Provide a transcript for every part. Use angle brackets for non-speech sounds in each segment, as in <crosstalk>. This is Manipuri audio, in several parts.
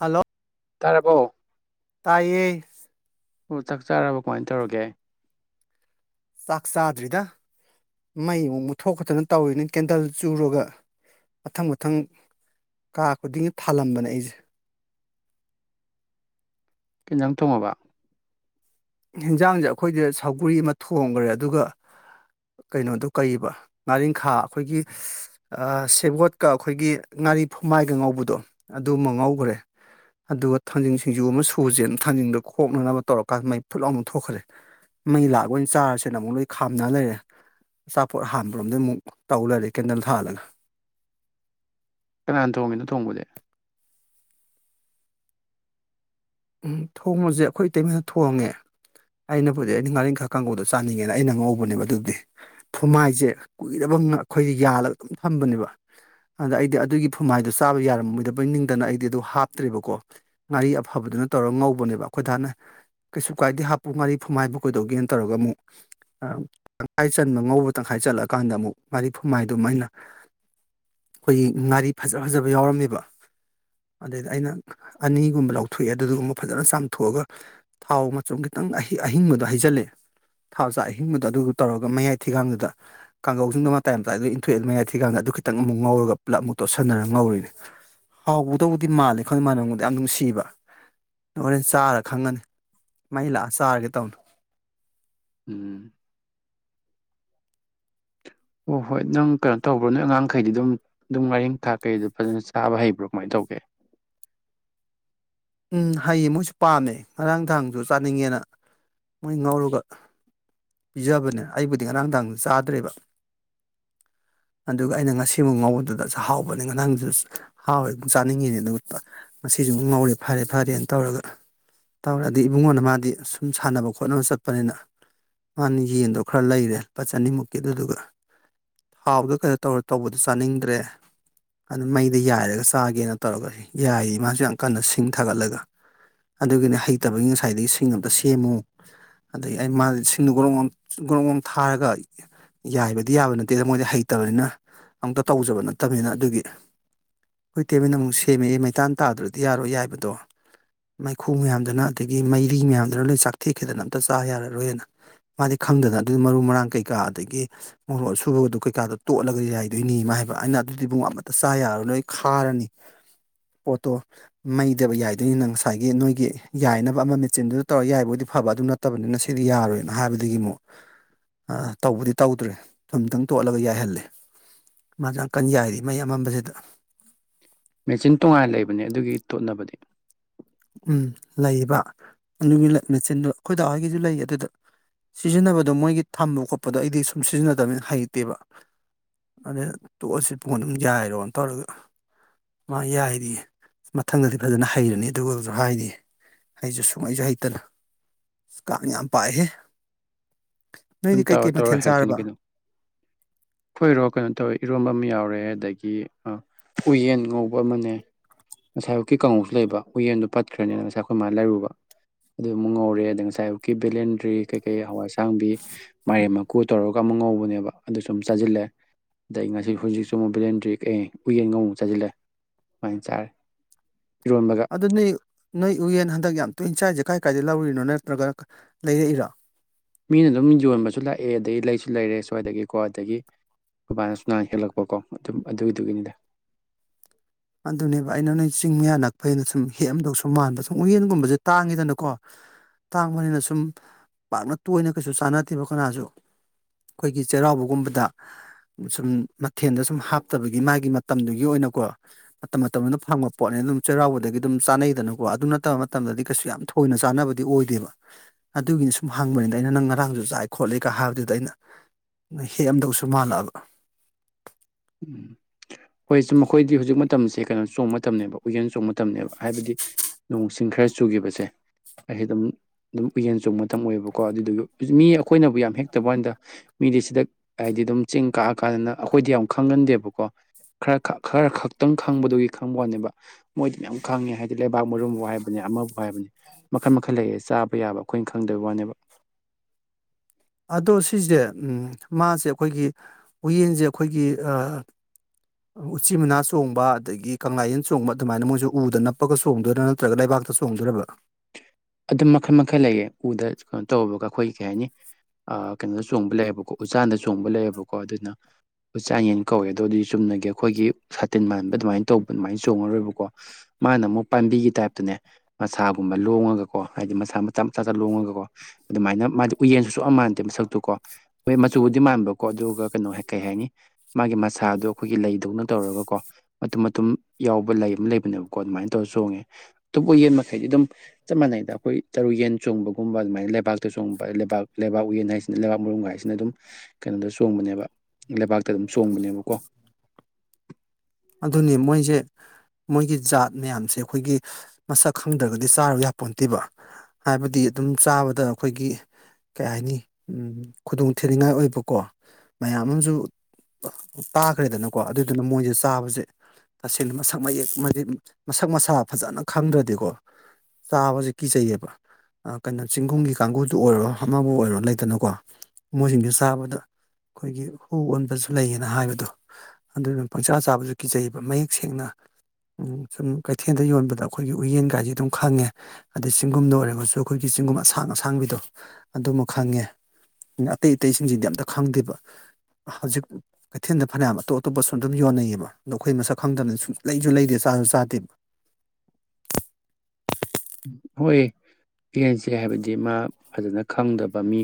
ꯍꯜꯂꯣ ꯇꯥꯔꯔꯕꯣ ꯇꯥꯏꯌꯦ ꯑꯣ ꯆꯥꯛ ꯆꯥꯔꯕ ꯀꯃꯥꯏꯅ ꯇꯧꯔꯒꯦ ꯆꯥꯛꯆꯥꯥꯗ꯭ꯔꯤꯗ ꯃꯩ ꯑꯃ ꯃꯨꯠꯊꯣꯛꯈꯗꯅ ꯇꯧꯔꯤꯅꯤ ꯀꯦꯟꯗꯜ ꯆꯨꯔꯒ ꯃꯊꯪ ꯃꯊꯪ ꯀꯥ ꯈꯨꯗꯤꯡꯒꯤ ꯊꯥꯜꯂꯝꯕꯅꯦ ꯑꯩꯁꯦ ꯀꯦꯟꯖꯥꯡ ꯊꯣꯉꯕ ꯍꯟꯖꯥꯡꯁꯦ ꯑꯩꯈꯣꯏꯗ ꯁꯧꯒꯔꯤ ꯑꯃ ꯊꯣꯡꯈ꯭ꯔꯦ ꯑꯗꯨꯒ ꯀꯩꯅꯣꯗꯨꯣ ꯀꯩꯕ ꯉꯥꯔꯤꯡꯈꯥ ꯑꯩꯈꯣꯏꯒꯤ ꯁꯦꯒꯣꯠꯀ ꯑꯩꯈꯣꯏꯒꯤ ꯉꯥꯔꯤ ꯐꯨꯝꯃꯥꯏꯒ ꯉꯧꯕꯗꯣ ꯑꯗꯨꯃ ꯉꯧꯈ꯭ꯔꯦ ꯑꯗꯨꯒ ꯊꯥꯡꯖꯤꯡ ꯁꯤꯡꯖꯨ ꯑꯃ ꯁꯨꯕꯁꯦ ꯑꯗꯨ ꯊꯥꯡꯖꯤꯡꯗꯣ ꯈꯣꯛꯅꯅꯕ ꯇꯧꯔꯀꯥꯟꯗ ꯃꯩ ꯐꯨꯠꯂꯥꯎꯅ ꯊꯣꯛꯈ꯭ꯔꯦ ꯃꯩ ꯂꯥꯛꯑꯒꯣꯏ ꯑꯣꯏꯅ ꯆꯥꯔꯁꯦꯅ ꯑꯃꯨꯛ ꯂꯣꯏ ꯈꯥꯝꯅ ꯂꯩꯔꯦ ꯑꯆꯥꯄꯣꯠ ꯍꯥꯟꯕꯔꯣꯝꯗꯩ ꯑꯃꯨꯛ ꯇꯧ ꯂꯩꯔꯦ ꯀꯦꯟꯗꯜ ꯊꯥꯜꯂꯒ ꯀꯅꯥꯅ ꯊꯣꯡꯉꯤꯅꯣ ꯊꯣꯡꯕꯗꯤ ꯎꯝ ꯊꯣꯡꯕꯁꯦ ꯑꯩꯈꯣꯏ ꯏꯇꯩꯃꯗ ꯊꯣꯡꯉꯦ ꯑꯩꯅꯕꯨꯗꯤ ꯑꯩꯅ ꯉꯥꯔꯤ ꯈꯔ ꯀꯥꯡꯕꯨꯗꯣ ꯆꯥꯅꯤꯡꯉꯦꯅ ꯑꯩꯅ ꯑ ꯉꯧꯕꯅꯦꯕ ꯑꯗꯨꯗꯤ ꯐꯨꯃꯥꯏꯁꯦ ꯀꯨꯏꯗꯔꯕ ꯑꯩꯈꯣꯏꯁ ꯌꯥꯜꯂꯒ ꯑꯗꯨꯝ ꯊꯝꯕꯅꯦꯕ ꯑꯗ ꯑꯩꯗꯤ ꯑꯗꯨꯒꯤ ꯐꯨꯝꯃꯥꯏꯗꯣ ꯆꯥꯕ ꯌꯥꯔꯝꯃꯣꯏꯗꯕꯩ ꯅꯤꯡꯗꯅ ꯑꯩꯗꯤ ꯑꯗꯨ ꯍꯥꯞꯇ꯭ꯔꯦꯕꯀꯣ ꯉꯥꯔꯤ ꯑꯐꯕꯗꯨꯅ ꯇꯧꯔꯒ ꯉꯧꯕꯅꯦꯕ ꯑꯩꯈꯣꯏꯗ ꯍꯥꯟꯅ ꯀꯩꯁꯨ ꯀꯥꯏꯗꯦ ꯍꯥꯞꯄꯨ ꯉꯥꯔꯤ ꯐꯨꯍꯥꯏꯕꯨ ꯀꯩꯗꯧꯒꯦꯅ ꯇꯧꯔꯒ ꯑꯃꯨꯛ ꯇꯪꯈꯥꯏ ꯆꯟꯕ ꯉꯧꯕ ꯇꯪꯈꯥꯏ ꯆꯠꯂꯛꯀꯥꯟꯗ ꯑꯃꯨꯛ ꯃꯔꯤꯛ ꯐꯨꯝꯃꯥꯏꯗꯨꯃꯥꯏꯅ ꯑꯩꯈꯣꯏꯒꯤ ꯉꯥꯔꯤ ꯐꯖ ꯐꯖꯕ ꯌꯥꯎꯔꯝꯃꯦꯕ ꯑꯗꯨꯗꯩꯗ ꯑꯩꯅ ꯑꯅꯤꯒꯨꯝꯕ ꯂꯧꯊꯣꯛꯑꯦ ꯑꯗꯨꯗꯨꯒꯨꯝꯕ ꯐꯖꯅ ꯆꯥꯝꯊꯣꯛꯑꯒ ꯊꯥꯎ ꯃꯆꯨꯝ ꯈꯤꯇꯪ ꯑꯍꯤꯡꯕꯗꯣ ꯍꯖꯜꯂꯦ ꯊꯥꯎ ꯆꯥꯛ ꯑꯍꯤꯡꯕꯗ ꯑꯗꯨꯒ ꯇꯧꯔꯒ ꯃꯌꯥꯏ ꯊꯤꯒꯥꯡꯗꯨꯗ ꯀꯥꯡꯒꯧꯁꯤꯡꯗꯣ ꯃꯇꯥꯏ ꯑꯃꯇꯥꯏꯗꯨꯗ ꯏꯟꯊꯣꯛꯑ ꯃꯌꯥꯏ ꯊꯤꯀꯥꯡꯗ ꯑꯗꯨ ꯈꯤꯇꯪ ꯑꯃꯨꯛ ꯉꯧꯔꯒ ꯄꯨꯂꯞ ꯑꯃꯨꯛ ꯇꯣꯠꯁꯤꯟꯅꯔꯒ ꯉꯧꯔꯤꯅꯤ ꯍꯥꯎꯗꯧꯕꯨꯗꯤ ꯃꯥꯜꯂꯦ ꯈꯪꯗꯦ ꯃꯅꯥꯝꯕꯨꯗꯤ ꯌꯥꯝ ꯑꯗꯨꯝ ꯅꯨꯡꯁꯤꯕ ꯍꯣꯔꯦꯟ ꯆꯥꯔ ꯈꯪꯉꯅꯤ ꯃꯩ ꯂꯥꯛꯑ ꯆꯥꯔꯒꯦ ꯇꯧꯅꯦ ꯎꯝ ꯑꯣ ꯍꯣꯏ ꯅꯪ ꯀꯩꯅꯣ ꯇꯧꯕ꯭ꯔꯣ ꯅꯣꯏ ꯑꯉꯥꯡꯈꯩꯗꯤ ꯑꯗꯨꯝ ꯑꯗꯨꯝ ꯃꯔꯤꯟꯈꯥ ꯀꯩꯗꯣ ꯐꯖꯅ ꯆꯥꯕ ꯍꯩꯕ꯭ꯔꯣ ꯀꯃꯥꯏꯅ ꯇꯧꯒꯦ ꯎꯝ ꯍꯩꯌꯦ ꯃꯣꯏꯁꯨ ꯄꯥꯝꯃꯦ ꯉꯔꯥꯡ ꯗꯥꯡꯁꯨ ꯆꯥꯅꯤꯡꯉꯦꯅ ꯃꯣꯏ ꯉꯧꯔꯒ ꯄꯤꯖꯕꯅꯦ ꯑꯩꯕꯨꯗꯤ ꯉꯔꯥꯡꯗꯥꯥꯡ ꯆꯥꯗ꯭ꯔꯦꯕ ꯑꯗꯨꯒ ꯑꯩꯅ ꯉꯁꯤꯃꯨꯛ ꯉꯧꯕꯗꯨꯗ ꯑ ꯍꯥꯎꯕꯅꯦ ꯉꯍꯥꯡꯗꯨꯁꯨ ꯍꯥꯎꯋꯦ ꯑꯃꯨꯛ ꯆꯥꯅꯤꯡꯉꯤꯅꯦ ꯑꯗꯨꯒ ꯃꯁꯤꯁꯨ ꯉꯥꯎꯔꯤꯕꯦꯕ ꯐꯔꯦ ꯐꯔꯦꯅ ꯇꯧꯔꯒ ꯇꯧꯔꯦ ꯑꯗꯩ ꯏꯕꯨꯡꯉꯣꯟꯅ ꯃꯥꯗꯤ ꯁꯨꯝ ꯁꯥꯟꯅꯕ ꯈꯣꯠꯅꯕ ꯆꯠꯄꯅꯤꯅ ꯃꯥꯅ ꯌꯦꯟꯗꯣ ꯈꯔ ꯂꯩꯔꯦ ꯂꯨꯄꯥ ꯆꯅꯤꯃꯨꯛꯀꯤ ꯑꯗꯨꯗꯨꯒ ꯍꯥꯎꯕꯗ ꯀꯩꯣ ꯇꯧꯔ ꯇꯧꯕꯗꯣ ꯆꯥꯅꯤꯡꯗ꯭ꯔꯦ ꯑꯗꯨ ꯃꯩꯗ ꯌꯥꯏꯔꯒ ꯆꯥꯒꯦꯅ ꯇꯧꯔꯒ ꯌꯥꯏꯔꯤ ꯃꯥꯁꯨ ꯌꯥꯝ ꯀꯟꯅ ꯁꯤꯡ ꯊꯥꯒꯠꯂꯒ ꯑꯗꯨꯒꯤꯅꯦ ꯍꯩꯇꯕꯒꯤ ꯉꯁꯥꯏꯗꯒꯤ ꯏꯁꯤꯡ ꯑꯃꯇ ꯁꯦꯝꯃꯨ ꯑꯗꯗꯒꯤ ꯑꯩ ꯃꯥꯁ ꯁꯤꯡꯗꯨ ꯒꯣꯔꯝ ꯒꯣꯔꯣ ꯑꯃꯣꯝ ꯊꯥꯔꯒ ꯌꯥꯏꯕꯗꯤ ꯌꯥꯕ ꯅꯠꯇꯦꯗ ꯃꯣꯏꯗ ꯍꯩꯇꯕꯅꯤꯅ ꯑꯨꯛꯇ ꯇꯧꯖꯕ ꯅꯠꯇꯕꯅꯤꯅ ꯑꯗꯨꯒꯤ ꯍꯣꯏ ꯇꯦꯕꯦꯟ ꯑꯃꯨꯛ ꯁꯦꯝꯃꯛꯑꯦ ꯃꯩꯇꯥꯟ ꯇꯥꯗ꯭ꯔꯗꯤ ꯌꯥꯔꯣꯏ ꯌꯥꯏꯕꯗꯣ ꯃꯩꯈꯨ ꯃꯌꯥꯝꯗꯨꯅ ꯑꯗꯒꯤ ꯃꯩꯔꯤ ꯃꯌꯥꯝꯗꯨꯅ ꯂꯣꯏ ꯆꯥꯛꯊꯦꯛꯈꯤꯗꯅ ꯑꯝꯇ ꯆꯥ ꯌꯥꯔꯔꯣꯏꯅ ꯃꯥꯗꯤ ꯈꯪꯗꯗꯅ ꯑꯗꯨꯗꯤ ꯃꯔꯨ ꯃꯔꯥꯡ ꯀꯩꯀꯥ ꯑꯗꯒꯤ ꯃꯣꯔꯣꯛ ꯑꯁꯨꯕꯒꯗꯣ ꯀꯩꯀꯥꯗ ꯇꯣꯠꯂꯒꯗꯤ ꯌꯥꯏꯗꯣꯏꯅꯤ ꯍꯥꯏꯕ ꯑꯩꯅ ꯑꯗꯨꯗꯤ ꯄꯨꯡꯉꯣ ꯑꯃꯇ ꯆꯥ ꯌꯥꯔꯣꯏ ꯂꯣꯢ ꯈꯥꯔꯅꯤ ꯄꯣꯠꯇꯣ ꯃꯩ ꯗꯦꯕ ꯌꯥꯏꯗꯣꯏꯅꯤꯅ ꯉꯁꯥꯏꯒꯤ ꯅꯣꯏꯒꯤ ꯌꯥꯏꯅꯕ ꯑꯃ ꯃꯦꯆꯤꯟꯗꯨꯗ ꯇꯧꯔꯒ ꯌꯥꯏꯕꯕꯨꯗꯤ ꯐꯕ ꯑꯗꯨ ꯅꯠꯇꯦ ꯐꯠꯇꯕꯅꯤꯅ ꯁꯤꯗꯤ ꯌꯥꯔꯣꯏꯅ ꯍꯥꯏꯕꯗꯒꯤ ꯑꯃꯨꯛ ꯇꯧꯕꯨꯗꯤ ꯇꯧꯗ꯭ꯔꯦ ꯑꯃꯇꯪ ꯇꯣꯠꯂꯒ ꯌꯥꯏꯍꯜꯂꯦ ꯃꯥꯀꯟꯅ ꯌꯥꯏꯔꯤ ꯃꯩ ꯑꯃꯝꯕꯁꯤꯗ ꯃꯦꯆꯤꯟ ꯇꯣꯉꯥꯟꯅ ꯂꯩꯕꯅꯦ ꯑꯗꯨꯒꯤ ꯇꯣꯠꯅꯕꯗꯤ ꯎꯝ ꯂꯩꯕ ꯑꯗꯨꯒꯤ ꯃꯦꯆꯤꯟꯗꯣ ꯑꯩꯈꯣꯏꯗ ꯍꯣꯢꯒꯤꯁꯨ ꯂꯩ ꯑꯗꯨꯗꯣ ꯁꯤꯖꯤꯟꯅꯕꯗꯣ ꯃꯣꯏꯒꯤ ꯊꯝꯕ ꯈꯣꯠꯄꯗꯣ ꯑꯩꯗꯤ ꯁꯨꯝ ꯁꯤꯖꯤꯟꯅꯗꯕꯅꯤꯅ ꯍꯩꯇꯦꯕ ꯑꯗꯩ ꯇꯣꯛꯑꯁꯤ ꯄꯨꯡꯉꯣ ꯑꯗꯨꯝ ꯌꯥꯏꯔꯣꯅ ꯇꯧꯔꯒ ꯃꯥ ꯌꯥꯏꯔꯤꯌꯦ ꯃꯊꯪꯗꯗꯤ ꯐꯖꯅ ꯍꯩꯔꯅꯤ ꯑꯗꯨꯒꯁꯨ ꯍꯥꯏꯔꯤꯌꯦ ꯑꯩꯩꯁꯨ ꯁꯨꯡꯍꯩꯁꯨ ꯍꯩꯇꯅ ꯀꯥꯡ ꯌꯥꯝ ꯄꯥꯏꯍꯦ ꯑꯗꯨꯝ ꯅꯣꯏꯗꯤ ꯇꯧꯔ ꯀꯩꯀꯩ ꯇꯧꯔ ꯃꯊꯦꯜ ꯆꯥꯔꯕ ꯈꯣꯏꯔꯣ ꯀꯩꯅꯣ ꯇꯧꯋꯦ ꯏꯔꯣꯝꯕ ꯑꯃ ꯌꯥꯎꯔꯦ ꯑꯗꯒꯤ ꯑ ꯎꯌꯦꯟ ꯉꯧꯕ ꯑꯃꯅꯦ ꯉꯁꯥꯏ ꯑꯌꯨꯛꯀꯤ ꯀꯥꯡꯉꯧꯁꯨ ꯂꯩꯕ ꯎꯌꯦꯟꯗꯣ ꯄꯠꯈ꯭ꯔꯅꯤꯅ ꯉꯁꯥꯏ ꯈꯣꯏ ꯃꯥꯥꯅ ꯂꯩꯔꯨꯕ ꯑꯗꯨ ꯑꯃꯨꯛ ꯉꯧꯔꯦ ꯑꯗ ꯉꯁꯥꯏ ꯑꯌꯨꯛꯀꯤ ꯕꯦꯂꯦꯟꯗ꯭ꯔꯤ ꯀꯩꯀꯩ ꯍꯋꯥꯏꯁꯥꯡꯕꯤ ꯃꯥꯢꯔꯦꯟ ꯃꯀꯨ ꯇꯧꯔꯒ ꯑꯃ ꯉꯧꯕꯅꯦꯕ ꯑꯗꯨ ꯁꯨꯝ ꯆꯥꯁꯤꯜꯂꯦ ꯑꯗꯩ ꯉꯁꯤ ꯍꯧꯖꯤꯛꯁꯨ ꯑꯃꯨꯛ ꯕꯕꯤꯂꯦꯟꯗ꯭ꯔꯤꯛ ꯑꯦ ꯎꯌꯦꯟ ꯉꯃꯨꯛ ꯆꯥꯁꯤꯜꯂꯦ ꯁꯨꯃꯥꯏꯅ ꯆꯥꯔꯦ ꯏꯔꯣꯟꯕꯒ ꯑꯗꯨ ꯅꯣꯏ ꯅꯣꯏ ꯎꯌꯦꯟ ꯍꯟꯗꯛ ꯌꯥꯝ ꯇꯣꯏꯟ ꯆꯥꯏꯁꯦ ꯀꯥꯏ ꯀꯥꯏꯗꯩ ꯂꯧꯔꯤꯅꯣ ꯅꯠꯇ꯭ꯔꯒ ꯂꯩꯔꯛꯏꯔꯣ ꯃꯤꯅ ꯑꯗꯨꯝ ꯌꯣꯟꯕꯁꯨ ꯂꯥꯛꯑꯦ ꯑꯗꯒꯤ ꯂꯩꯁꯨ ꯂꯩꯔꯦ ꯁ꯭ꯋꯥꯏꯗꯒꯤꯀꯣ ꯑꯗꯒꯤ ꯕꯥꯅꯁꯨ ꯅꯍꯥꯟ ꯍꯦꯛꯂꯛꯄꯀꯣ ꯑꯗꯨꯝ ꯑꯗꯨꯢꯗꯨꯒꯤꯅꯤꯗ ꯑꯗꯨꯅꯦꯕ ꯑꯩꯅ ꯅꯣꯏ ꯆꯤꯡ ꯃꯌꯥ ꯅꯛꯄꯅꯤꯅ ꯁꯨꯝ ꯍꯦꯛꯑꯥꯝꯗꯧ ꯁꯨꯝ ꯃꯥꯟꯕ ꯁꯨꯝ ꯎꯌꯦꯟꯒꯨꯝꯕꯁꯦ ꯇꯥꯡꯉꯤꯗꯅꯀꯣ ꯇꯥꯡꯕꯅꯤꯅ ꯁꯨꯝ ꯄꯥꯛꯅ ꯇꯣꯏꯅ ꯀꯩꯁꯨ ꯆꯥꯟꯅꯗꯦꯕ ꯀꯅꯥꯁꯨ ꯑꯩꯈꯣꯏꯒꯤ ꯆꯩꯔꯥꯎꯕꯒꯨꯝꯕꯗ ꯁꯨꯝ ꯃꯊꯦꯜꯗ ꯁꯨꯝ ꯍꯥꯞꯇꯕꯒꯤ ꯃꯥꯒꯤ ꯃꯇꯝꯗꯨꯒꯤ ꯑꯣꯏꯅꯀꯣ ꯃꯇꯝ ꯃꯇꯝꯗꯨ ꯑꯗꯨꯅ ꯐꯪꯕ ꯄꯣꯠꯅꯤꯅ ꯑꯗꯨꯝ ꯆꯩꯔꯥꯎꯕꯗꯒꯤ ꯑꯗꯨꯝ ꯆꯥꯅꯩꯗꯅꯀꯣ ꯑꯗꯨ ꯅꯠꯇꯕ ꯃꯇꯝꯗꯗꯤ ꯀꯩꯁꯨ ꯌꯥꯝ ꯇꯣꯏꯅ ꯆꯥꯟꯅꯕꯗꯤ ꯑꯣꯏꯗꯦꯕ ꯑꯗꯨꯒꯤꯅꯤ ꯁꯨꯝ ꯍꯪꯕꯅꯤꯗ ꯑꯩꯅ ꯅꯪ ꯉꯔꯥꯡꯁꯨ ꯆꯥꯏ ꯈꯣꯠꯂꯤꯒ ꯍꯥꯏꯕꯗꯨꯗ ꯑꯩꯅ ꯅꯣꯏ ꯍꯦꯛ ꯑꯃꯝꯗꯧꯁꯨ ꯃꯥꯜꯂꯛꯑꯕ ꯎꯝ ꯍꯣꯏ ꯃꯈꯣꯏꯗꯤ ꯍꯧꯖꯤꯛ ꯃꯇꯝꯁꯦ ꯀꯩꯅꯣ ꯆꯣꯡꯕ ꯃꯇꯝꯕ ꯎꯋꯏꯒꯟ ꯆꯣꯡꯕ ꯃꯇꯝꯅꯦꯕ ꯍꯥꯏꯕꯗꯤ ꯅꯣꯡ ꯆꯤꯡ ꯈꯔ ꯆꯨꯈꯤꯕꯁꯦ ꯑꯩꯁꯦ ꯑꯗꯨꯝ ꯑꯗꯨꯝ ꯎꯌꯦꯟ ꯆꯣꯡꯕ ꯃꯇꯝ ꯑꯣꯏꯌꯦꯕꯀꯣ ꯑꯗꯨꯗꯨꯒꯛ ꯃꯤ ꯑꯩꯈꯣꯏꯅꯕꯨ ꯌꯥꯝ ꯍꯦꯛꯇꯕꯗ ꯃꯤꯗꯤ ꯁꯤꯗ ꯍꯥꯏꯗꯤ ꯑꯗꯨꯝ ꯆꯦꯡ ꯀꯛꯑ ꯀꯥꯟꯗꯅ ꯑꯩꯈꯣꯏꯗꯤ ꯌꯥꯝ ꯈꯪꯍꯟꯗꯦꯕꯀꯣ ꯈꯔ ꯈ ꯈꯔ ꯈꯛꯇꯪ ꯈꯪꯕꯗꯨꯒꯤ ꯈꯪꯕ ꯋꯥꯅꯦꯕ ꯃꯣꯏꯗꯤ ꯃꯌꯥꯝ ꯈꯪꯉꯦ ꯍꯥꯏꯗꯤ ꯂꯩꯕꯥꯛ ꯃꯔꯨꯝꯕꯨ ꯍꯥꯏꯕꯅꯤ ꯑꯃꯕꯨ ꯍꯥꯏꯕꯅꯤ ꯃꯈꯜ ꯃꯈꯜ ꯂꯩꯌꯦꯦ ꯆꯥꯕ ꯌꯥꯕ ꯑꯩꯈꯣꯏꯅ ꯈꯪꯗꯕ ꯋꯥꯅꯦꯕ ꯑꯗꯣ ꯁꯤꯁꯦ ꯃꯥꯁꯦ ꯑꯩꯈꯣꯏꯒꯤ ꯎꯌꯦꯟꯁꯦ ꯑꯩꯈꯣꯏꯒꯤ ꯑꯣ <inaudible> ꯎꯆꯤ ꯃꯅꯥ ꯆꯣꯡꯕ ꯑꯗꯒꯤ ꯀꯪꯂꯥꯌꯦꯟ ꯆꯣꯡꯕ ꯑꯗꯨꯃꯥꯏꯅ ꯃꯣꯏꯁꯨ ꯎꯗ ꯅꯞꯄꯒ ꯆꯣꯡꯗꯣꯏꯔꯥ ꯅꯠꯇ꯭ꯔꯒ ꯂꯩꯕꯥꯛꯇ ꯆꯣꯡꯗꯣꯏꯔꯕ ꯑꯗꯨꯝ ꯃꯈꯜ ꯃꯈꯜ ꯂꯩꯌꯦ ꯎꯗ ꯀꯩꯅꯣ ꯇꯧꯕꯒ ꯑꯩꯈꯣꯏ ꯀꯩ ꯍꯥꯏꯅꯤ ꯑ ꯀꯩꯅꯣꯗ ꯆꯣꯡꯕ ꯂꯩꯌꯦꯕꯀꯣ ꯎꯖꯥꯟꯗ ꯆꯣꯡꯕ ꯂꯩꯌꯦꯕꯀꯣ ꯑꯗꯨꯅ ꯎꯆꯥꯡꯌꯦꯟ ꯀꯧꯋꯦ ꯑꯗꯨꯗꯤ ꯆꯨꯝꯅꯒꯤ ꯑꯩꯈꯣꯏꯒꯤ ꯁꯥꯇꯤꯟ ꯃꯥꯟꯕ ꯑꯗꯨꯃꯥꯏꯅ ꯇꯧꯕ ꯑꯗꯨꯃꯥꯏꯅ ꯆꯣꯡꯉꯔꯣꯏꯕꯀꯣ ꯃꯥꯅ ꯑꯃꯨꯛ ꯄꯥꯝꯕꯤꯒꯤ ꯇꯥꯞꯇꯅꯦ ꯃꯁꯥꯒꯨꯝꯕ ꯂꯣꯡꯉꯒ ꯀꯣ ꯍꯥꯏꯗꯤ ꯃꯁꯥ ꯃꯆꯥ ꯃꯆꯥꯗ ꯂꯣꯡꯉꯒ ꯀꯣ ꯑꯗꯨꯃꯥꯏꯅ ꯃꯥꯗꯤ ꯎꯌꯦꯟꯁꯨ ꯁꯨꯛꯃꯥꯟ ꯃꯥꯟꯗꯦ ꯃꯁꯛꯇꯨ ꯀꯣ ꯍꯣꯏ ꯃꯆꯨꯕꯨꯗꯤ ꯃꯥꯟꯕꯀꯣ ꯑꯗꯨꯒ ꯀꯩꯅꯣ ꯀꯩ ꯍꯥꯏꯅꯤ ꯃꯥꯒꯤ ꯃꯁꯥꯗꯣ ꯑꯩꯈꯣꯏꯒꯤ ꯂꯩꯗꯧꯅ ꯇꯧꯔꯒ ꯀꯣ ꯃꯇꯨꯝ ꯃꯇꯨꯝ ꯌꯥꯎꯕ ꯂꯩ ꯑꯃ ꯂꯩꯕꯅꯦꯕꯀꯣ ꯑꯗꯨꯃꯥꯏꯅ ꯇꯧꯔ ꯆꯣꯡꯉꯦ ꯑꯇꯣꯞꯄ ꯌꯦꯟ ꯃꯈꯩꯗꯤ ꯑꯗꯨꯝ ꯆꯞ ꯃꯥꯟꯅꯩꯗ ꯑꯩꯈꯣꯏ ꯇꯔꯨ ꯌꯦꯟ ꯆꯣꯡꯕꯒꯨꯝꯕ ꯑꯗꯨꯃꯥꯏꯅ ꯂꯩꯕꯥꯛꯇ ꯆꯣꯡꯕ ꯂꯩꯕꯥꯛ ꯂꯩꯕꯥꯛ ꯎ ꯌꯦꯟ ꯍꯥꯏꯁꯦ ꯂꯩꯕꯥꯛ ꯃꯔꯨꯝꯒꯥꯏꯁꯤꯅ ꯑꯗꯨꯝ ꯀꯩꯅꯣꯗ ꯆꯣꯡꯕꯅꯦꯕ ꯂꯩꯕꯥꯛꯇ ꯑꯗꯨꯝ ꯆꯣꯡꯕꯅꯦꯕꯀꯣ ꯑꯗꯨꯅꯤ ꯃꯣꯏꯁꯦ ꯃꯣꯏꯒꯤ ꯖꯥꯠ ꯃꯌꯥꯝꯁꯦ ꯑꯩꯈꯣꯏꯒꯤ ꯃꯁꯛ ꯈꯪꯗ꯭ꯔꯒꯗꯤ ꯆꯥꯔꯨ ꯌꯥꯄꯣꯟꯇꯦꯕ ꯍꯥꯏꯕꯗꯤ ꯑꯗꯨꯝ ꯆꯥꯕꯗ ꯑꯩꯈꯣꯏꯒꯤ ꯀꯩ ꯍꯥꯏꯅꯤ ꯎꯝ ꯈꯨꯗꯣꯡ ꯊꯤꯅꯤꯡꯉꯥꯏ ꯑꯣꯏꯕꯀꯣ ꯃꯌꯥꯝ ꯑꯃꯁꯨ ꯇꯥꯈ꯭ꯔꯦꯗꯅꯀꯣ ꯑꯗꯨꯗꯨꯅ ꯃꯣꯏꯁꯦ ꯆꯥꯕꯁꯦ ꯇꯁꯦꯡꯅ ꯃꯁꯛ ꯃꯌꯦꯛ ꯃꯁꯛ ꯃꯁꯥ ꯐꯖꯅ ꯈꯪꯗ꯭ꯔꯗꯤꯀꯣ ꯆꯥꯕꯕꯁꯤꯦ ꯀꯤ ꯆꯩꯩꯌꯦꯕ ꯀꯩꯅꯣ ꯆꯤꯡꯒꯨꯝꯒꯤ ꯀꯥꯡꯒꯨꯗꯨ ꯑꯣꯏꯔꯣ ꯑꯃꯕꯨ ꯑꯣꯏꯔꯣ ꯂꯩꯇꯅꯀꯣ ꯃꯣꯏꯁꯤꯡꯁꯦ ꯆꯥꯕꯗ ꯑꯩꯈꯣꯏꯒꯤ ꯍꯨ ꯑꯣꯟꯕꯁꯨ ꯂꯩꯌꯦꯅ ꯍꯥꯏꯕꯗꯣ ꯑꯗꯨꯅ ꯄꯪꯆꯥꯥ ꯆꯥꯕꯁꯨ ꯀꯤꯖꯩꯌꯦꯕ ꯃꯌꯦꯛ ꯁꯦꯡꯅ ꯁꯨꯝ ꯀꯩꯊꯦꯜꯗ ꯌꯣꯟꯕꯗ ꯑꯩꯈꯣꯏꯒꯤ ꯎꯌꯦꯟꯒꯥꯏꯁꯦ ꯑꯗꯨꯝ ꯈꯪꯉꯦ ꯑꯗꯩ ꯆꯤꯡꯒꯨꯝꯗ ꯑꯣꯏꯔꯒꯁꯨ ꯑꯩꯈꯣꯏꯒꯤ ꯆꯤꯡꯒꯨꯝ ꯑꯁꯥꯡ ꯑꯁꯥꯡꯕꯤꯗꯣ ꯑꯗꯨꯃ ꯈꯪꯉꯦ ꯎ ꯑꯇꯩ ꯑꯇꯩꯁꯤꯡꯁꯤꯗꯤ ꯑꯝꯇ ꯈꯪꯗꯦꯕ ꯍꯧꯖꯤꯛ ꯀꯩꯊꯦꯜꯗ ꯐꯅꯌꯥꯝ ꯑꯇꯣꯞ ꯑꯇꯣꯞꯄꯁꯨ ꯑꯗꯨꯝ ꯌꯣꯟꯅꯩꯌꯦꯕ ꯑꯗꯣ ꯑꯩꯈꯣꯏ ꯃꯁꯛ ꯈꯪꯗꯕꯅ ꯁꯨꯡꯛ ꯂꯩꯁꯨ ꯂꯩꯇꯦ ꯆꯥꯁꯨ ꯆꯥꯗꯦꯕ ꯍꯣꯏ ꯄꯦꯟꯁꯦ ꯍꯥꯏꯕꯗꯤ ꯃꯥ ꯐꯖꯅ ꯈꯪꯗꯕ ꯃꯤ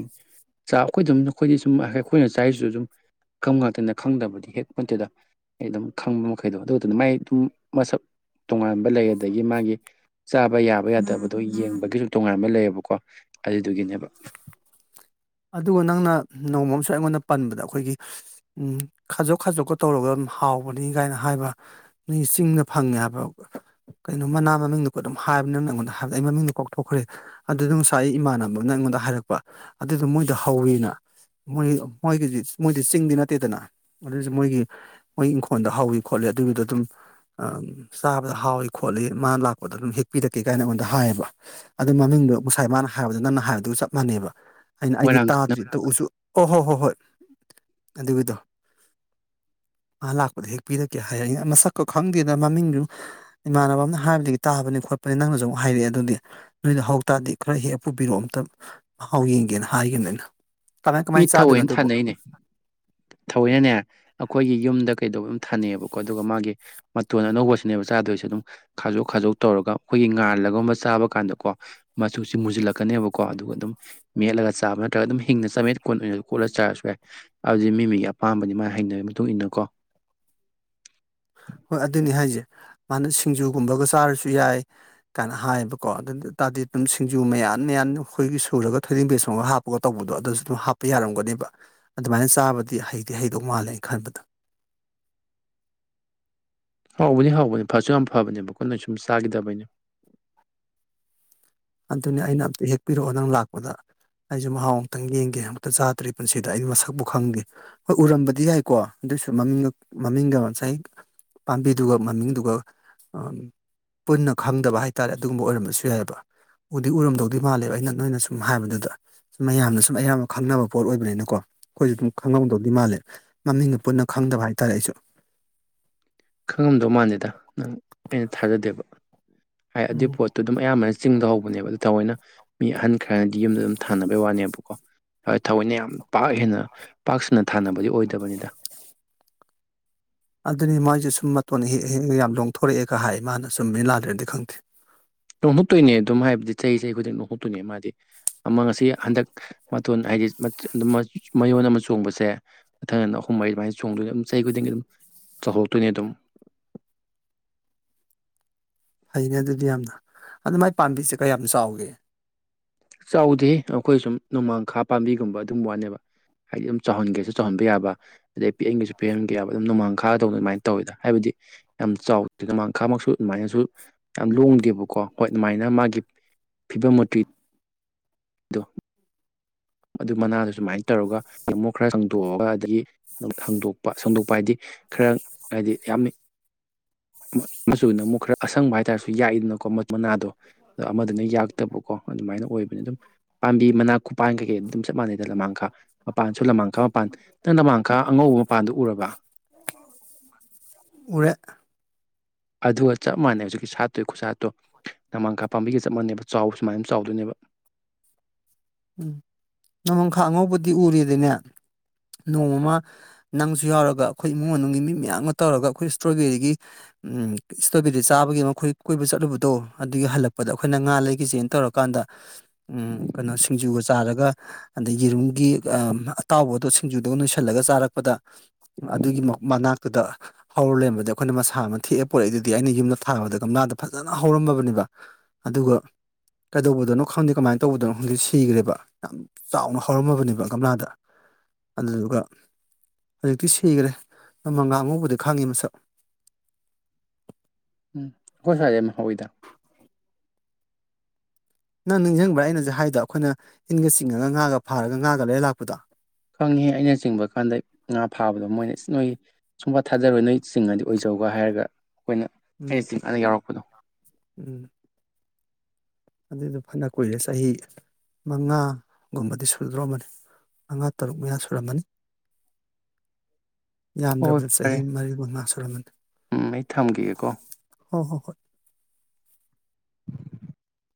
ꯆꯥꯛ ꯑꯩꯈꯣꯏꯗ ꯑꯗꯨꯝ ꯅꯈꯣꯏꯗꯤ ꯁꯨꯝ ꯑꯩꯈꯣꯏꯅ ꯆꯥꯔꯤꯁꯨ ꯁꯝ ꯀꯝ ꯉꯥꯛꯇꯅ ꯈꯪꯗꯕꯗꯤ ꯍꯦꯛ ꯃꯠꯇꯦꯗ ꯑꯩ ꯑꯗꯨꯝ ꯈꯪꯕ ꯃꯈꯩꯗꯣ ꯑꯗꯨꯗꯨꯅ ꯃꯥꯏ ꯑꯗꯨꯝ ꯃꯁꯛ ꯇꯣꯉꯥꯟꯕ ꯂꯩ ꯑꯗꯒꯤ ꯃꯥꯒꯤ ꯆꯥꯕ ꯌꯥꯕ ꯌꯥꯗꯕꯗꯣ ꯌꯦꯡꯕꯒꯤꯁꯨ ꯇꯣꯉꯥꯟꯕ ꯂꯩꯌꯦꯕꯀꯣ ꯑꯗꯨꯗꯨꯒꯤꯅꯦꯕ ꯑꯗꯨꯒ ꯅꯪꯅ ꯅꯣꯡꯃ ꯑꯃꯁꯨ ꯑꯩꯉꯣꯟꯗ ꯄꯟꯕꯗ ꯑꯩꯈꯣꯏꯒꯤ ꯎꯝ ꯈꯥꯖꯣꯛ ꯈꯥꯖꯣꯛꯀ ꯇꯧꯔꯒ ꯑꯗꯨꯝ ꯍꯥꯎꯕꯅꯤ ꯀꯥꯏꯅ ꯍꯥꯏꯕ ꯅꯣꯏ ꯆꯤꯡꯗ ꯐꯪꯉꯦ ꯍꯥꯏꯕ ꯀꯩꯅꯣ ꯃꯅꯥ ꯃꯃꯤꯡꯗꯨꯣ ꯑꯗꯨꯝ ꯍꯥꯏꯕꯅꯤꯅ ꯑꯩꯉꯣꯟꯗ ꯍꯥꯏꯕꯗ ꯑꯩ ꯃꯃꯤꯡꯗꯨꯣ ꯀꯣꯛꯊꯣꯛꯈ꯭ꯔꯦ ꯑꯗꯨꯗꯣ ꯉꯁꯥꯏ ꯑꯩ ꯏꯃꯥꯟꯅꯕꯅ ꯑꯩꯉꯣꯟꯗ ꯍꯥꯏꯔꯛꯄ ꯑꯗꯨꯗꯣ ꯃꯣꯏꯗ ꯍꯧꯋꯦꯅ ꯃꯣꯏ ꯃꯣꯏꯒꯤꯗꯤ ꯃꯣꯏꯗꯤ ꯆꯤꯡꯗꯤ ꯅꯠꯇꯦꯗꯅ ꯑꯗꯨꯏꯁꯨ ꯃꯣꯏꯒꯤ ꯃꯣꯏ ꯏꯪꯈꯣꯜꯗ ꯍꯧꯥꯎꯋꯤ ꯈꯣꯠꯂꯤ ꯑꯗꯨꯒꯤꯗ ꯑꯗꯨꯝ ꯆꯥꯕꯗ ꯍꯥꯎꯏ ꯈꯣꯠꯂꯤ ꯃꯥꯅ ꯂꯥꯛꯄꯗ ꯑꯗꯨꯝ ꯍꯦꯛꯄꯤꯔꯛꯀꯦ ꯀꯥꯏꯅ ꯑꯩꯉꯣꯟꯗ ꯍꯥꯏꯌꯦꯕ ꯑꯗꯨ ꯃꯃꯤꯡꯗꯣ ꯉꯁꯥꯏ ꯃꯥꯅ ꯍꯥꯏꯕꯗꯣ ꯅꯪꯅ ꯍꯥꯏꯕꯗꯨ ꯆꯞ ꯃꯥꯟꯅꯩꯕ ꯑꯩꯅ ꯑꯩꯗꯤ ꯃꯣꯏꯔꯥꯡ ꯀꯥꯟꯅ ꯇꯥꯗ꯭ꯔꯤ ꯇꯧꯎꯁꯨ ꯍꯣꯏ ꯍꯣꯏ ꯍꯣꯏ ꯑꯗꯨꯗꯣ ꯃꯥ ꯂꯥꯛꯄꯗ ꯍꯦꯛ ꯄꯤꯔꯛꯀꯦ ꯍꯥꯏꯌꯦ ꯃꯁꯛꯀ ꯈꯪꯗꯦꯗ ꯃꯃꯤꯡꯗꯨ ꯏꯃꯥꯟꯅꯕ ꯑꯃꯅ ꯍꯥꯏꯕꯗꯒꯤ ꯇꯥꯕꯅꯤ ꯈꯣꯠꯄꯅꯤ ꯅꯪꯅꯁꯨ ꯑꯃꯨꯛ ꯍꯥꯏꯔꯛꯑꯦ ꯑꯗꯨꯗꯤ ꯅꯣꯏꯗ ꯍꯧꯇꯥꯔꯗꯤ ꯈꯔ ꯍꯦꯛꯑꯥ ꯄꯨꯕꯤꯔꯛꯑꯣ ꯑꯝꯇꯪ ꯃꯍꯥꯎ ꯌꯦꯡꯒꯦꯅ ꯍꯥꯏꯈꯤꯕꯅꯦ ꯑꯩꯅ ꯀꯃꯥꯏ ꯃꯤ ꯀꯃꯥꯏꯅ ꯆꯥꯗꯣꯏꯅꯣ ꯊꯧꯑꯣꯏꯅ ꯑꯗꯨꯕꯣ ꯊꯅꯩꯅꯦ ꯊꯑꯣꯏꯅꯅꯦ ꯑꯩꯈꯣꯏꯒꯤ ꯌꯨꯝꯗ ꯀꯩꯗꯧꯕꯩ ꯑꯃ ꯊꯥꯅꯩꯑꯦꯕꯀꯣ ꯑꯗꯨꯒ ꯃꯥꯒꯤ ꯃꯇꯣꯟ ꯑꯅꯧꯕꯁꯤꯅꯦꯕ ꯆꯥꯗꯣꯏꯁꯦ ꯑꯗꯨꯝ ꯈꯥꯖꯣꯛ ꯈꯥꯖꯣꯛ ꯇꯧꯔꯒ ꯑꯩꯈꯣꯏꯒꯤ ꯉꯥꯜꯂꯒꯨꯝꯕ ꯆꯥꯕ ꯀꯥꯟꯗꯀꯣ ꯃꯆꯨꯁꯤ ꯃꯨꯁꯤꯜꯂꯛꯀꯅꯦꯕꯀꯣ ꯑꯗꯨꯒ ꯑꯗꯨꯝ ꯃꯦꯠꯂꯒ ꯆꯥꯕ ꯅꯠꯇ꯭ꯔꯒ ꯑꯗꯨꯝ ꯍꯤꯡꯅ ꯆꯥꯛ ꯈꯣꯠꯅ ꯈꯣꯠꯂ ꯆꯥꯔꯁꯨ ꯌꯥꯏ ꯑꯗꯨꯗꯤ ꯃꯤ ꯃꯤꯒꯤ ꯑꯄꯥꯝꯕꯅꯤ ꯃꯥ ꯍꯩꯅꯕꯒꯤ ꯃꯇꯨꯡ ꯏꯟꯅ ꯀꯣ ꯍꯣꯏ ꯑꯗꯨꯅꯤ ꯍꯥꯏꯁꯦ ꯃꯥꯅ ꯁꯤꯡꯖꯨꯒꯨꯝꯕꯒ ꯆꯥꯔꯁꯨ ꯌꯥꯏ ꯀꯥꯏꯅ ꯍꯥꯏꯌꯦꯕꯀꯣ ꯑꯗꯨ ꯇꯥꯔꯗꯤ ꯑꯗꯨꯝ ꯁꯤꯡꯖꯨ ꯃꯌꯥꯟ ꯃꯌꯥꯟ ꯑꯩꯈꯣꯏꯒꯤ ꯁꯨꯔꯒ ꯊꯣꯏꯔꯡ ꯕꯦꯁꯣꯡꯒ ꯍꯥꯞꯄ ꯒ ꯇꯧꯕꯗꯣ ꯑꯗꯨꯁꯨ ꯑꯗꯨꯝ ꯍꯥꯞꯄ ꯌꯥꯔꯝꯒꯅꯦꯕ ꯑꯗꯨꯃꯥꯏꯅ ꯆꯥꯕꯗꯤ ꯍꯩꯗꯤ ꯍꯩꯗꯧ ꯃꯥꯜꯂꯦꯅ ꯈꯟꯕꯗ ꯍꯧꯕꯅꯤ ꯍꯧꯕꯅꯤ ꯐꯁꯨ ꯌꯥꯝ ꯐꯕꯅꯦꯕꯀꯣ ꯅꯣꯏ ꯁꯨꯝ ꯆꯥꯈꯤꯗꯕꯅꯤ ꯑꯗꯨꯅꯦ ꯑꯩꯅ ꯑꯝꯇ ꯍꯦꯛꯄꯤꯔꯛꯑꯣ ꯅꯪ ꯂꯥꯛꯄꯗ ꯑꯩꯁꯦ ꯃꯍꯥꯎ ꯑꯃꯨꯛꯇꯪ ꯌꯦꯡꯒꯦ ꯑꯃꯨꯛꯇ ꯆꯥꯗ꯭ꯔꯤ ꯄꯨꯟꯁꯤꯗ ꯑꯩ ꯃꯁꯛꯄꯨ ꯈꯪꯗꯦ ꯍꯣꯏ ꯎꯔꯝꯕꯗꯤ ꯌꯥꯏꯀꯣ ꯑꯗꯨꯏꯁꯨ ꯃꯃꯤꯡꯒ ꯃꯃꯤꯡꯒ ꯉꯁꯥꯏ ꯄꯥꯝꯕꯤꯗꯨꯒ ꯃꯃꯤꯡꯗꯨꯒ ꯄꯨꯟꯅ ꯈꯪꯗꯕ ꯍꯥꯏꯇꯥꯔꯦ ꯑꯗꯨꯒꯨꯝꯕ ꯑꯣꯏꯔꯝꯕꯁꯨ ꯌꯥꯏꯑꯦꯕ ꯎꯗꯤ ꯎꯔꯝꯗꯧꯗꯤ ꯃꯥꯜꯂꯦꯕ ꯑꯩꯅ ꯅꯣꯏꯅ ꯁꯨꯝ ꯍꯥꯏꯕꯗꯨꯗ ꯁ ꯃꯌꯥꯝꯅ ꯁꯨꯝ ꯑꯌꯥꯝꯕ ꯈꯪꯅꯕ ꯄꯣꯠ ꯑꯣꯏꯕꯅꯤꯅꯀꯣ ꯑꯩꯈꯣꯏꯁꯨ ꯑꯗꯨꯝ ꯈꯪꯍꯧꯗꯧꯗꯤ ꯃꯜꯂꯦ ꯃꯃꯤꯡꯒ ꯄꯨꯟꯅ ꯈꯪꯗꯕ ꯍꯥꯏꯇꯥꯔꯦ ꯑꯩꯁꯨ ꯈꯪꯉꯝꯗꯧ ꯃꯥꯟꯗꯦꯗꯥ ꯅꯪ ꯑꯩꯅ ꯊꯥꯖꯗꯦꯕ ꯍꯥꯏ ꯑꯗꯨꯏ ꯎꯝ ꯄꯣꯠ ꯑꯗꯨꯝ ꯑꯌꯥꯝꯕꯅ ꯆꯤꯡꯗ ꯍꯧꯕꯅꯦꯕ ꯑꯗꯨ ꯊꯑꯣꯏꯅ ꯃꯤ ꯑꯍꯟ ꯈꯔꯅꯗꯤ ꯌꯨꯝꯗ ꯑꯗꯨꯝ ꯊꯥꯅꯕꯩ ꯋꯥꯅꯦꯕꯀꯣ ꯊꯑꯣꯏꯅ ꯌꯥꯝ ꯄꯥꯛ ꯍꯦꯟꯅ ꯄꯥꯛ ꯁꯟꯅ ꯊꯥꯅꯕꯗꯤ ꯑꯣꯏꯗꯕꯅꯤꯗ ꯑꯗꯨꯅꯤ ꯃꯣꯏꯁꯦ ꯁꯨꯝ ꯃꯇꯣꯟ ꯍꯦꯛꯑꯥ ꯍꯦꯛꯑꯥ ꯒꯥ ꯌꯥꯝ ꯂꯣꯡꯊꯣꯔꯛꯑꯦꯒ ꯍꯥꯏ ꯏꯃꯥꯅ ꯆꯨꯝꯃꯤꯔꯥ ꯂꯥꯜꯂꯤꯔꯥꯗꯤ ꯈꯪꯗꯦ ꯂꯣꯡꯊꯣꯛꯇꯣꯏꯅꯦ ꯑꯗꯨꯝ ꯍꯥꯏꯕꯗꯤ ꯆꯍꯤ ꯆꯍꯤ ꯈꯨꯗꯤꯡꯒꯤ ꯂꯣꯡꯊꯣꯛꯇꯣꯏꯅꯦ ꯃꯥꯗꯤ ꯑꯃ ꯉꯁꯤ ꯍꯟꯗꯛ ꯃꯇꯣꯟ ꯍꯥꯏꯗꯤ ꯃꯌꯣꯟ ꯑꯃ ꯆꯣꯡꯕꯁꯦ ꯃꯊꯪ ꯑꯍꯨꯝ ꯃꯔꯤ ꯑꯗꯨꯃꯥꯏꯅ ꯆꯣꯡꯗꯣꯏꯅꯤ ꯑꯗꯨꯝ ꯆꯍꯤ ꯈꯨꯗꯤꯡꯒꯤ ꯑꯗꯨꯝ ꯆꯥꯎꯊꯣꯛꯇꯣꯏꯅꯤ ꯑꯗꯨꯝ ꯐꯩꯅꯦ ꯑꯗꯨꯗꯤ ꯌꯥꯝꯅ ꯑꯗꯨ ꯃꯥꯏ ꯄꯥꯝꯕꯤꯁꯦ ꯀꯌꯥꯝ ꯆꯥꯎꯒꯦ ꯆꯥꯎꯗꯦꯍꯦ ꯑꯩꯈꯣꯏ ꯁꯨꯝ ꯅꯣꯡꯃꯥꯡꯈꯥ ꯄꯥꯝꯕꯤꯒꯨꯝꯕ ꯑꯗꯨꯒꯨꯝꯕ ꯋꯥꯅꯦꯕ ꯍꯥꯏꯗꯤ ꯑꯗꯨꯝ ꯆꯥꯎꯍꯟꯒꯦꯁꯨ ꯆꯥꯎꯍꯟꯕ ꯌꯥꯕ ꯑꯗꯩ ꯄꯤꯛꯍꯟꯒꯤꯁꯨ ꯄꯤꯛꯍꯟꯒꯦ ꯑꯗꯨꯝ ꯅꯣꯡꯃꯥꯡꯈꯥꯗꯧꯅ ꯑꯗꯨꯃꯥꯏꯅ ꯇꯧꯋꯦꯗ ꯍꯥꯏꯕꯗꯤ ꯌꯥꯝ ꯆꯥꯎꯗꯦ ꯅꯣꯡꯃꯡꯈꯥꯃꯛꯁꯨ ꯑꯗꯨꯃꯥꯏꯅꯁꯨ ꯌꯥꯝ ꯂꯣꯡꯗꯦꯕꯀꯣ ꯍꯣꯏ ꯑꯗꯨꯃꯥꯏꯅ ꯃꯥꯒꯤ ꯐꯤꯕꯝ ꯃꯨꯔꯇꯤ ꯑꯗꯣ ꯑꯗꯨ ꯃꯅꯥꯗꯣ ꯁꯨꯃꯥꯏꯅ ꯇꯧꯔꯒ ꯇꯃꯣ ꯈꯔ ꯁꯪꯗꯣꯛꯑꯒ ꯑꯗꯒꯤ ꯁꯪꯗꯣꯛꯄ ꯁꯪꯗꯣꯛꯄ ꯍꯥꯏꯗꯤ ꯈꯔ ꯍꯥꯏꯗꯤ ꯌꯥꯝ ꯃꯆꯨꯅ ꯑꯃꯨꯛ ꯈꯔ ꯑꯁꯪꯕ ꯍꯥꯏꯇꯥꯔꯁꯨ ꯌꯥꯛꯏꯗꯅꯀꯣ ꯃꯅꯥꯗꯣ ꯑ ꯑꯃꯗꯨꯅ ꯌꯥꯛꯇꯕꯀꯣ ꯑꯗꯨꯃꯥꯏꯅ ꯑꯣꯏꯕꯅꯤ ꯑꯗꯨꯝ ꯄꯥꯝꯕꯤ ꯃꯅꯥ ꯈꯨꯄꯥꯟ ꯀꯩꯀꯩ ꯑꯗꯨꯝ ꯆꯞ ꯃꯥꯟꯅꯩꯗ ꯂꯨꯃꯥꯡꯈꯥ ꯃꯄꯥꯟꯁꯨ ꯅꯣꯡꯃꯥꯡꯈꯥ ꯃꯄꯥꯟ ꯅꯪ ꯅꯣꯡꯃꯥꯡꯈꯥ ꯑꯉꯧꯕ ꯃꯄꯥꯟꯗꯨ ꯎꯔꯕ ꯎꯔꯦ ꯑꯗꯨꯒ ꯆꯞ ꯃꯥꯟꯅꯩ ꯍꯧꯖꯤꯛꯀꯤ ꯁꯥꯠꯇꯨꯏ ꯈꯨꯠ ꯁꯥꯠꯇꯣ ꯅꯣꯡꯃꯥꯡꯈꯥ ꯄꯥꯝꯕꯤꯒ ꯆꯞ ꯃꯥꯟꯅꯩꯕ ꯆꯥꯎꯕꯁꯨ ꯁꯨꯃꯥꯏꯅ ꯆꯥꯎꯗꯣꯏꯅꯦꯕ ꯎꯝ ꯅꯣꯡꯃꯪꯈꯥ ꯑꯉꯧꯕꯗꯤ ꯎꯔꯤꯗꯅ ꯅꯣꯡꯃ ꯅꯪꯁꯨ ꯌꯥꯎꯔꯒ ꯑꯩꯈꯣꯏ ꯏꯃꯨꯡ ꯃꯅꯨꯡꯒꯤ ꯃꯤ ꯃꯌꯥꯝꯒꯥ ꯇꯧꯔꯒ ꯑꯩꯈꯣꯏ ꯏꯁꯇ꯭ꯔꯣꯕꯦꯔꯤꯒꯤ ꯎꯝ ꯏꯁꯇ꯭ꯔꯣꯕꯦꯔꯤ ꯆꯥꯕꯒꯤ ꯑꯃ ꯈꯣꯏ ꯀꯣꯏꯕ ꯆꯠꯂꯨꯕꯗꯣ ꯑꯗꯨꯒꯤ ꯍꯜꯂꯛꯄꯗ ꯑꯩꯈꯣꯏꯅ ꯉꯥ ꯂꯩꯈꯤꯁꯦꯅ ꯇꯧꯔꯛꯄ ꯀꯥꯟꯗ ꯎꯝ ꯀꯩꯅꯣ ꯁꯤꯡꯖꯨꯒ ꯆꯥꯔꯒ ꯑꯗꯩ ꯌꯦꯔꯨꯝꯒꯤ ꯑꯥ ꯑꯇꯥꯎꯕꯗꯣ ꯁꯤꯡꯖꯨꯗꯣ ꯅꯣꯏꯁꯤꯜꯂꯒ ꯆꯥꯔꯛꯄꯗ ꯑꯗꯨꯒꯤ ꯃꯅꯥꯛꯇꯨꯗ ꯍꯧꯔ ꯂꯩꯔꯝꯕꯗ ꯑꯩꯈꯣꯏꯅ ꯃꯁꯥ ꯑꯃ ꯊꯦꯛꯑ ꯄꯨꯔꯛꯏꯗꯨꯗꯤ ꯑꯩꯅ ꯌꯨꯝꯗ ꯊꯥꯕꯗ ꯒꯝꯂꯥꯗ ꯐꯖꯅ ꯍꯧꯔꯝꯃꯕꯅꯤꯕ ꯑꯗꯨꯒ ꯀꯩꯗꯧꯕꯗꯅꯣ ꯈꯪꯗꯦ ꯀꯃꯥꯏꯅ ꯇꯧꯕꯗꯅꯣ ꯈꯪꯗꯦ ꯁꯤ ꯊꯤꯈ꯭ꯔꯦꯕ ꯌꯥꯝ ꯆꯥꯎꯅ ꯍꯧꯔꯝꯃꯕꯅꯦꯕ ꯒꯝꯂꯥꯗ ꯑꯗꯨꯗꯨꯒ ꯍꯧꯖꯤꯛꯇꯤ ꯁꯤꯈ꯭ꯔꯦ ꯅꯣꯡꯃꯥꯡꯉꯥ ꯑꯉꯧꯕꯗꯤ ꯈꯥꯡꯉꯤ ꯃꯁꯛ ꯎꯝ ꯑꯩꯈꯣꯢ ꯁꯋꯥꯏ ꯌꯥꯝ ꯍꯥꯎꯋꯤꯗ ꯒ ꯅꯪ ꯅꯤꯡꯁꯤꯡꯕ꯭ꯔꯥ ꯑꯩꯅ ꯍꯧꯖꯤꯛ ꯍꯥꯏꯗꯣ ꯑꯩꯈꯣꯏꯅ ꯏꯟꯒ ꯆꯤꯡꯉꯒ ꯉꯥꯒ ꯐꯥꯔꯒ ꯉꯥꯒ ꯂꯩꯔ ꯂꯥꯛꯄꯗꯣ ꯈꯪꯉꯦꯍꯦ ꯑꯩꯅ ꯆꯤꯡꯕ ꯀꯥꯟꯗ ꯉꯥ ꯐꯥꯕꯗꯣ ꯃꯣꯏꯅ ꯅꯣꯏ ꯁꯨꯡꯄꯥ ꯊꯥꯖꯔꯣꯏ ꯅꯣꯏ ꯆꯤꯡꯉꯗꯤ ꯑꯣꯏꯖꯧꯒ ꯍꯥꯏꯔꯒ ꯑꯩꯈꯣꯏꯅ ꯎꯝ ꯑꯩꯅ ꯆꯤꯡ ꯑꯗ ꯌꯥꯎꯔꯛꯄꯗꯣ ꯎꯝ ꯑꯗꯨꯏꯗꯣ ꯐꯅ ꯀꯨꯏꯔꯦ ꯆꯍꯤ ꯃꯉꯥꯒꯨꯝꯕꯗꯤ ꯁꯨꯗꯔꯣꯔꯝꯃꯥꯅꯤ ꯃꯉꯥ ꯇꯔꯨꯛ ꯃꯌꯥ ꯁꯨꯔꯝꯃꯅꯤ ꯍꯣꯏ ꯍꯣꯏ ꯌꯥꯝꯗ꯭ꯔꯕꯗ ꯆꯍꯤ ꯐꯔꯦ ꯃꯔꯤ ꯃꯉꯥ ꯁꯨꯔꯝꯃꯅꯤ ꯎꯝ ꯑꯩ ꯊꯝꯈꯤꯒꯦꯀꯣ ꯍꯣꯏ ꯍꯣꯏ ꯍꯣꯏ